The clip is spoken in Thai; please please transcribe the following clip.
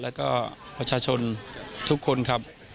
แล้วก็ประชาชนทุกคนครับ